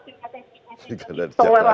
tidak ada di jakarta